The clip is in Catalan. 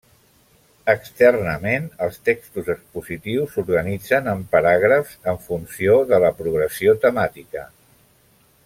Externament els textos expositius s'organitzen en paràgrafs, en funció de la progressió temàtica.